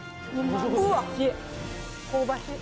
香ばしい。